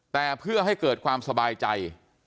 แต่เพื่อให้เกิดความสบายใจ